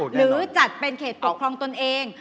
หรือจัดเป็นเขตปกครองตนเอง